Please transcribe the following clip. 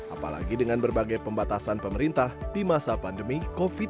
apalagi dengan berbagai pembatasan pemerintah di masa pandemi covid sembilan belas